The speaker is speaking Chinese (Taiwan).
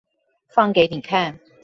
放給你看